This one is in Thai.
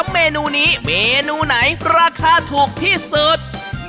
เมนูนี้เมนูไหนราคาถูกที่สุด